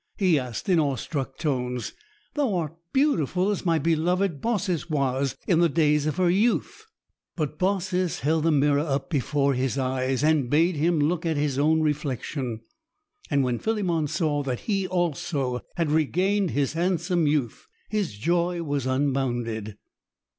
he asked in awestruck tones. "Thou art beautiful as my beloved Baucis was in the days of her youth!" But Baucis held the mirror up before his eyes, and bade him look at his own reflection; and when Philemon saw that he also had regained his handsome youth, his joy was unbounded.